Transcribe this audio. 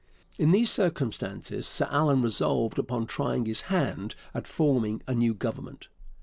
In these circumstances Sir Allan resolved upon trying his hand at forming a new Government.